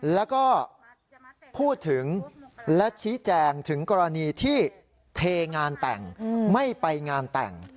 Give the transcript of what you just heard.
แล้วก็พูดถึงและชี้แจงถึงกรณีที่เทงานแต่งไม่ไปงานแต่ง